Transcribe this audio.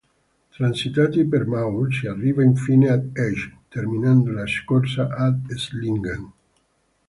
Transitati per Maur, si arriva infine ad Egg, terminando la corsa ad Esslingen.